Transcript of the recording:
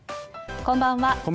こんばんは。